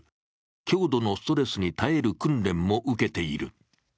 強度のストレスに耐える訓練も受けている。